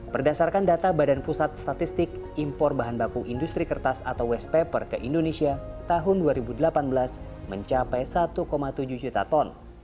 berdasarkan data badan pusat statistik impor bahan baku industri kertas atau waste paper ke indonesia tahun dua ribu delapan belas mencapai satu tujuh juta ton